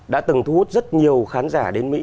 đã từng thu hút rất nhiều khán giả đến mỹ